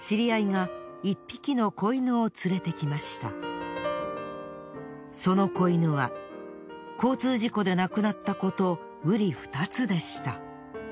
そんななかその子犬は交通事故で亡くなった子と瓜二つでした。